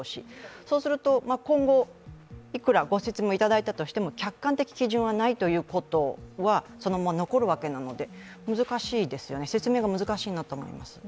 そうすると今後、いくらご説明をいただいたとしても客観的基準はないということはそのまま残るわけなので説明が難しいと思います。